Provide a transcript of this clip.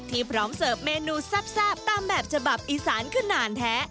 พร้อมเสิร์ฟเมนูแซ่บตามแบบฉบับอีสานขนาดแท้